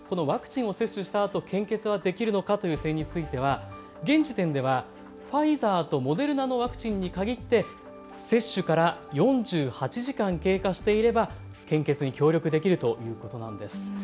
ワクチンを接種したあと献血できるのかという点については現時点ではファイザーとモデルナのワクチンに限って接種から４８時間経過していれば献血に協力できるということなんです。